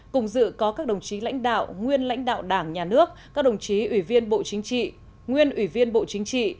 cùng dự có các đồng chí lãnh đạo nguyên lãnh đạo đảng nhà nước các đồng chí ủy viên bộ chính trị nguyên ủy viên bộ chính trị